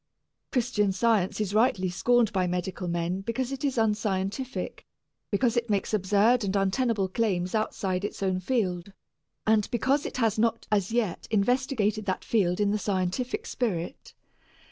Christian Science is rightly scorned by medical men because it is unscientific, because it makes absurd and untenable claims outside its own field, and because it has not as yet investigated that field in the scientific spirit.